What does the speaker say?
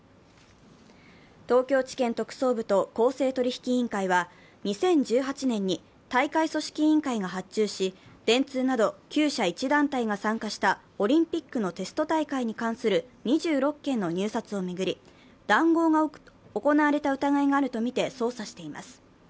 東京地検特捜部と公正取引委員会は２０１８年に大会組織委員会が発注し電通など９社１団体が参加したオリンピックのテスト大会に関する２６件の入札を巡り、談合が行われた疑いがあるとみて捜査しています。